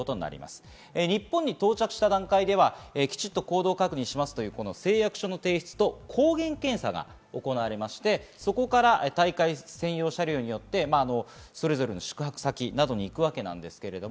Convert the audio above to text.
日本に到着した段階では、きちっと行動確認しますという誓約書の提出と抗原検査が行われまして、そこから大会専用車両によって宿泊先などに行きます。